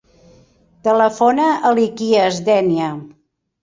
Telefona a l'Ikhlas Denia.